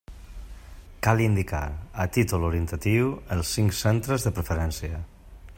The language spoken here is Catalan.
Cal indicar, a títol orientatiu, els cinc centres de preferència.